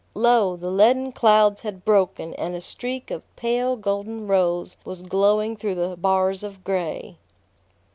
Lo! the leaden clouds had broken and a streak of pale golden rose was glowing through the bars of gray.